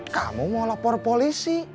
kamu mau lapor polisi